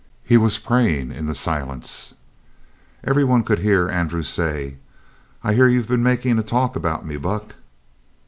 He was praying in the silence. Every one could hear Andrew say: "I hear you've been making a talk about me, Buck?"